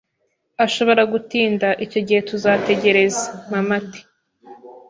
Ashobora gutinda, icyo gihe tuzategereza. (mamat)